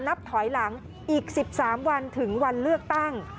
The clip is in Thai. นับถอยหลังอีก๑๓วันถึงวันเลือกตั้ง